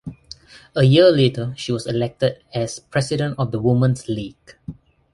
A year later she was elected as President of the Women's League.